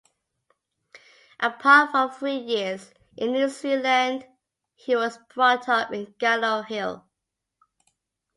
Apart from three years in New Zealand, he was brought up in Gallowhill.